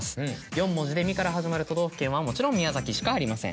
４文字で「み」から始まる都道府県はもちろん宮崎しかありません。